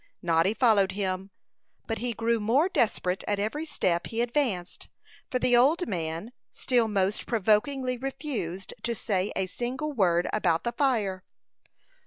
Noddy followed him; but he grew more desperate at every step he advanced, for the old man still most provokingly refused to say a single word about the fire.